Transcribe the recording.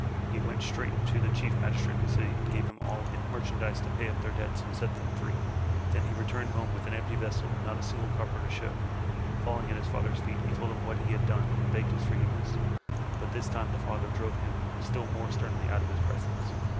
He went straight to the chief magistrate of the city and gave him all his 371 MY BOOK HOUSE merchandise to pay up their debts and set them free. Then he returned home with an empty vessel and not a single copper to show. Falling at his father's feet, he told him what he had done and begged his forgiveness, but this time the father drove him still more sternly out of his presence.